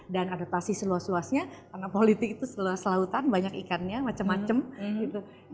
dan ada pasti seluas luasnya karena politik itu seluas lautan banyak ikannya macam macam gitu